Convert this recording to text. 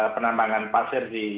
penambangan pasir di